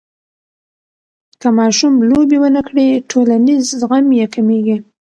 که ماشوم لوبې ونه کړي، ټولنیز زغم یې کمېږي.